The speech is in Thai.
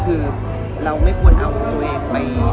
แต่หลายคนบอกว่าไม่เอาไปได้ผิด